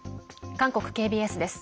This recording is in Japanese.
韓国ＫＢＳです。